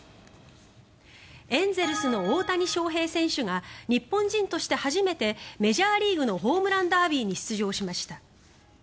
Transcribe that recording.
エンゼルスの大谷翔平選手が日本人として初めてメジャーリーグのホームランダービーに出場しました。